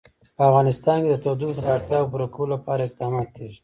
په افغانستان کې د تودوخه د اړتیاوو پوره کولو لپاره اقدامات کېږي.